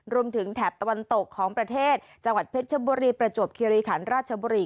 รวมถึงแถบตะวันตกของประเทศจังหวัดเพชรบุรีประจบเครียริขันต์ราชบุรี